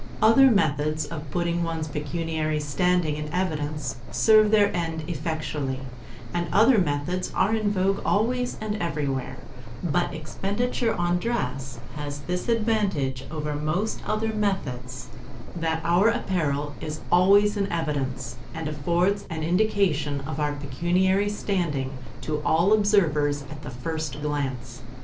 Other methods of putting one's pecuniary standing in evidence serve their end effectually, and other methods are in vogue always and everywhere; but expenditure on dress has this advantage over most other methods, that our apparel is always in evidence and affords an indication of our pecuniary standing to all observers at the first glance.